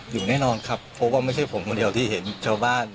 อยู่แน่นอนครับเพราะว่าไม่ใช่ผมคนเดียวที่เห็นชาวบ้าน